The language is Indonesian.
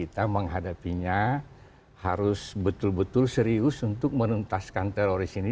kita menghadapinya harus betul betul serius untuk menuntaskan teroris ini